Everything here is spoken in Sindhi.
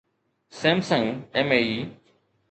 Samsung MAE